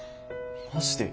マジで？